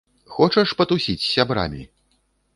Хочаш патусіць з сябрамі?